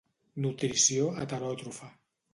Nutrició heteròtrofa.